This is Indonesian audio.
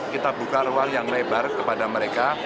kita buka ruang yang lebar kepada mereka